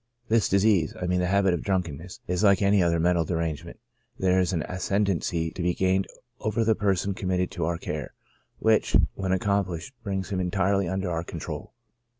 This disease (I mean the habit of drunkenness) is like any other mental derangement — there is an ascendancy to be gained over the person committed to our care, which, when accomplished, brings him entirely under our control."